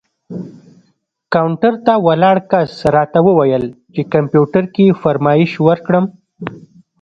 کاونټر ته ولاړ کس راته وویل چې کمپیوټر کې فرمایش ورکړم.